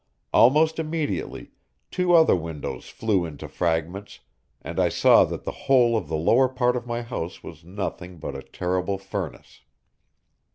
Almost immediately two other windows flew into fragments, and I saw that the whole of the lower part of my house was nothing but a terrible furnace.